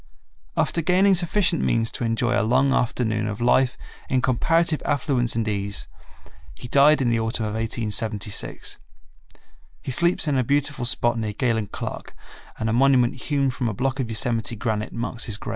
After gaining sufficient means to enjoy a long afternoon of life in comparative affluence and ease, he died in the autumn of 1876. He sleeps in a beautiful spot near Galen Clark and a monument hewn from a block of Yosemite granite marks his grave.